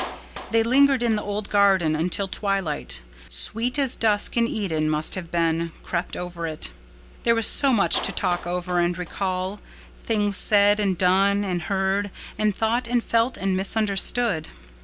They lingered in the old garden until twilight, sweet as dusk in Eden must have been, crept over it. There was so much to talk over and recall—things said and done and heard and thought and felt and misunderstood.